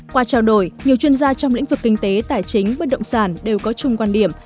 qua trao đổi nhiều chuyên gia trong lĩnh vực kinh tế tài chính bất động sản đều có chung quan điểm